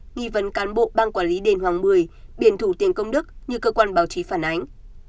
nghi vấn cán bộ ban quản lý đền hoàng mười biển thủ tiền công đức như cơ quan báo chí phản ánh